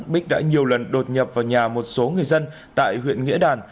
bích đã nhiều lần đột nhập vào nhà một số người dân tại huyện nghĩa đàn